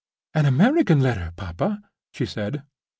"An American letter, papa!" she said.